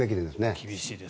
厳しいです。